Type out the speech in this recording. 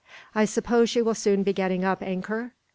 "I suppose you will soon be getting up anchor?"